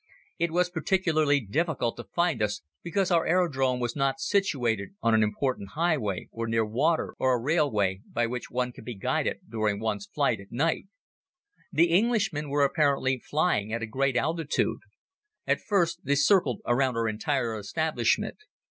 It was particularly difficult to find us because our aerodrome was not situated on an important highway or near water or a railway, by which one can be guided during one's flight at night. The Englishmen were apparently flying at a great altitude. At first they circled around our entire establishment.